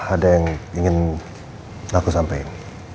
ada yang ingin aku sampaikan